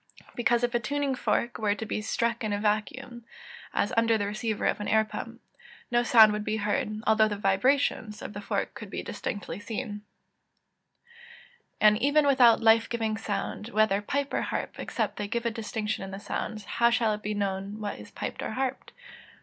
_ Because if a tuning fork were to be struck in a vacuum (as under the receiver of an air pump) no sound would be heard, although the vibrations of the fork could be distinctly seen. [Verse: "And even things without life giving sound, whether pipe or harp, except they give a distinction in the sounds, how shall it be known what is piped or harped."